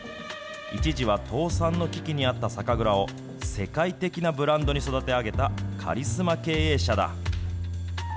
一時は倒産の危機にあった酒蔵を、世界的なブランドに育て上げたカリスマ経営者だ。